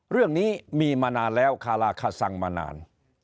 เรื่องนี้มีมานานแล้วคาราคาซังมานาน